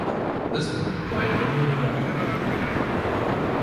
This order applied only in the Rhineland.